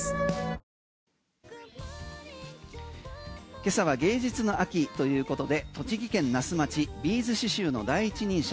今朝は芸術の秋ということで栃木県那須町ビーズ刺しゅうの第一人者